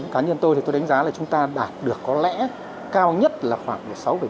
cá nhân tôi thì tôi đánh giá là chúng ta đạt được có lẽ cao nhất là khoảng sáu bốn